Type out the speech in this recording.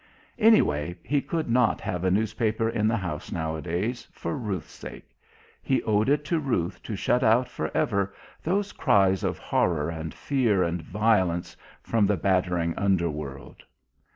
Anyway, he could not have a newspaper in the house nowadays, for Ruth's sake he owed it to Ruth to shut out for ever those cries of horror and fear and violence from the battering underworld.